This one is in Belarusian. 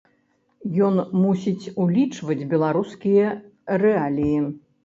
Ён мусіць улічваць беларускія рэаліі.